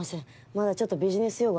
まだちょっとビジネス用語